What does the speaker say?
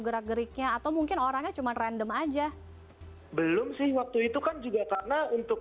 gerak geriknya atau mungkin orangnya cuman random aja belum sih waktu itu kan juga karena untuk